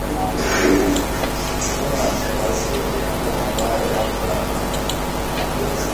tumia waziri mkuu ambaye labda anaona anaweza